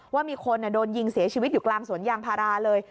ว่ามีคนโดนยิงเสียชีวิตอยู่กลางสวนยางพาราเลย